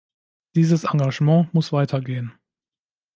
Dieses Engagement muss weitergehen.